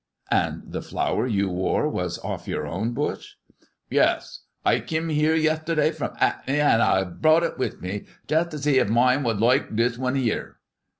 " And the flower you wore was off your own bush 1 " "Yuss. I kim 'ere yesterdaiy from 'Ackney, an' I browght it with me jest to see if moine was loike this 'un 'ere."